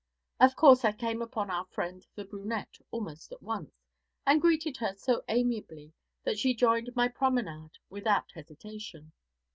Of course I came upon our friend the brunette almost at once, and greeted her so amiably that she joined my promenade without hesitation.